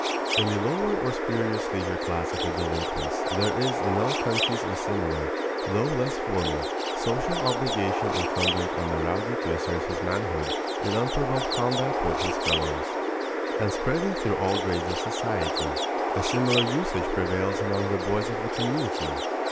In the lower or spurious leisure class of the delinquents there is in all countries a similar, though less formal, social obligation incumbent on the rowdy to assert his manhood in unprovoked combat with his fellows. And spreading through all grades of society, a similar usage prevails among the boys of the community.